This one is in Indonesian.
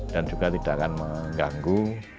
dan juga tidak akan mengganggu